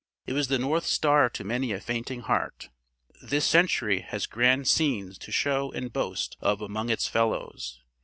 It was the North Star to many a fainting heart. This century has grand scenes to show and boast of among its fellows.